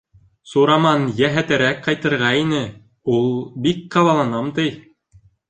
Сураман, йәһәтерәк ҡайтырға ине, ул, бик ҡабаланам, ти.